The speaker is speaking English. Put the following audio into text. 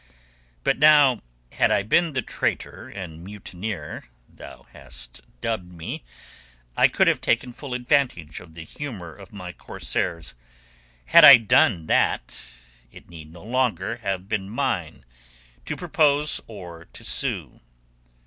But now had I been the traitor and mutineer thou hast dubbed me I could have taken full advantage of the humour of my corsairs. Had I done that it need no longer have been mine to propose or to sue.